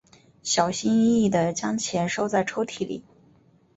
小心翼翼地将钱收在抽屉里